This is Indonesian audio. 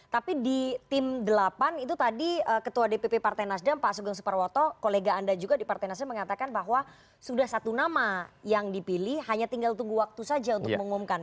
tapi di tim delapan itu tadi ketua dpp partai nasdem pak sugeng suparwoto kolega anda juga di partai nasdem mengatakan bahwa sudah satu nama yang dipilih hanya tinggal tunggu waktu saja untuk mengumumkan